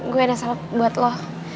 gue ada salep buat lo